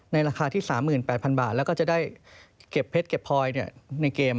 ราคาที่๓๘๐๐๐บาทแล้วก็จะได้เก็บเพชรเก็บพลอยในเกม